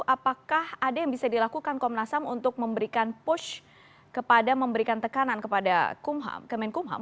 apakah ada yang bisa dilakukan komnas ham untuk memberikan push kepada memberikan tekanan kepada kemenkumham